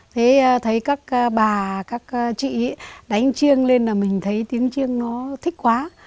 thế thấy các bà các chị đánh chiêng lên là mình thấy tiếng chiêng nó thích quá